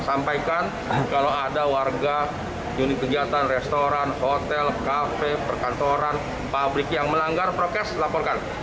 sampaikan kalau ada warga unit kegiatan restoran hotel kafe perkantoran pabrik yang melanggar prokes laporkan